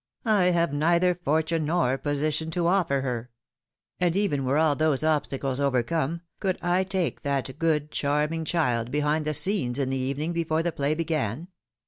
I have neither for tune nor position to offer her. And even were all those obstacles overcome, could I take that good, charming child behind the scenes in the evening, before the play began?